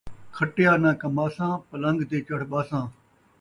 کھٹیا ناں کماساں ، پلن٘گ تے چڑھ ٻہساں